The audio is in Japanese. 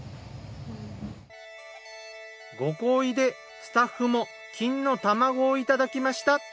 ご厚意でスタッフも金の卵をいただきました。